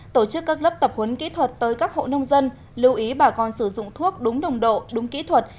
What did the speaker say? tổ chức các lớp tập huấn kỹ thuật tới các hộ nông dân lưu ý bà con sử dụng thuốc đúng đồng độ đúng kỹ thuật